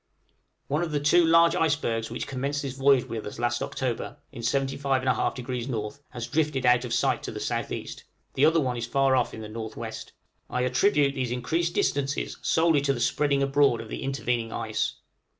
One of the two large icebergs which commenced this voyage with us last October, in 75 1/2° N., has drifted out of sight to the S.E., the other one is far off in the N.W. I attribute these increased distances solely to the spreading abroad of the intervening ice.